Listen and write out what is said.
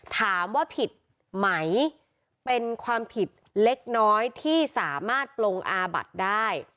ถามว่าผิดไหมเป็นความผิดเล็กน้อยที่สามารถปลงอาบัติได้